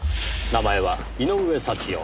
名前は井上祥代。